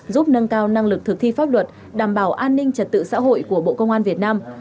giúp nâng cao năng lực thực thi pháp luật đảm bảo an ninh trật tự xã hội của bộ công an việt nam